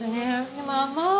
でも甘い！